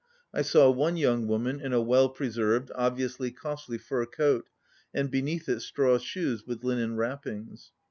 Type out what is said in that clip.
I saw one young woman in a well preserved, obviously costly fur coat, and beneath it straw shoes with linen wrappings.